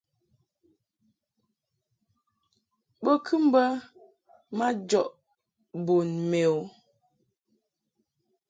Bo kɨ mbə majɔʼ bun mɛ o.